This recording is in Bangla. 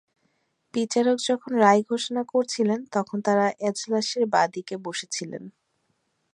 বিচারক যখন রায় ঘোষণা করছিলেন, তখন তাঁরা এজলাসের বাঁ দিকে বসে ছিলেন।